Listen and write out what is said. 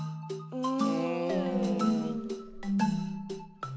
うん。